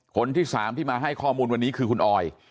คนที่๓ที่มาให้ข้อมูลวันนี้คือคุณออย